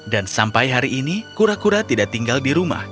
dan sampai hari ini kura kura tidak tinggal di rumah